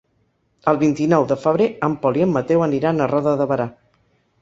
El vint-i-nou de febrer en Pol i en Mateu aniran a Roda de Berà.